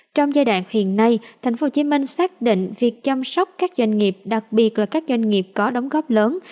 trong giai đoạn hiện nay tp hcm xác định việc chăm sóc các doanh nghiệp đặc biệt là các doanh nghiệp có đóng góp lớn